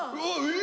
え！